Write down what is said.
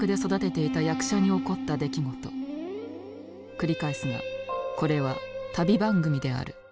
繰り返すがこれは旅番組である。